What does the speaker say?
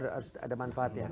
harus ada manfaatnya